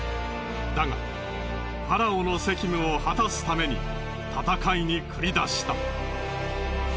だがファラオの責務を果たすために戦いに繰り出した。